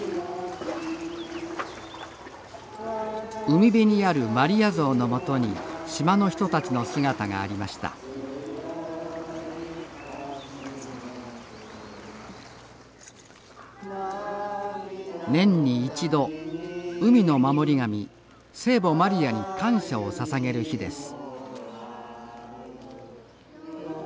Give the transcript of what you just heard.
海辺にあるマリア像のもとに島の人たちの姿がありました年に一度海の守り神聖母マリアに感謝をささげる日です